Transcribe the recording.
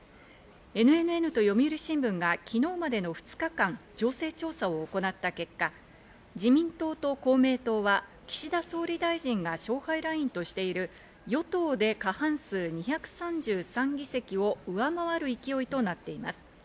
ＮＮＮと読売新聞が昨日までの２日間、情勢調査を行った結果、自民党と公明党は岸田総理大臣が勝敗ラインとしている与党で過半数２３３議席を上回る勢いとなっています。